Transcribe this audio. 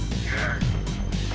aku mau lihat